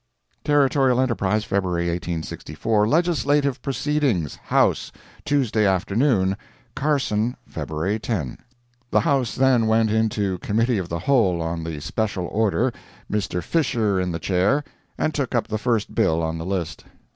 Territorial Enterprise, February 1864 LEGISLATIVE PROCEEDINGS HOUSE—TUESDAY AFTERNOON CARSON, February 10 The House then went into Committee of the Whole on the special order—Mr. Fisher in the Chair—and took up the first bill on the list.